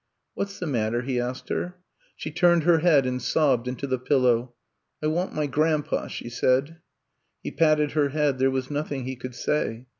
What *s the matter f he asked her. She turned her head and sobbed into the pillow: *'I want my grandpa,'* she said. He patted her head; there was nothing he could say.